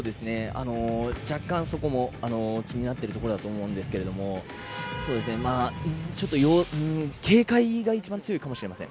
若干、そこも気になっているところだと思うんですがもうちょっと、警戒が一番強いかもしれません。